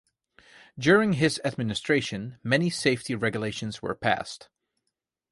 During his administration, many safety regulations were passed.